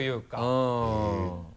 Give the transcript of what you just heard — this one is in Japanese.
うん。